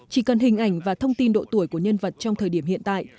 chỉ cần hình ảnh và thông tin độ tuổi của nhân vật trong thời điểm hiện tại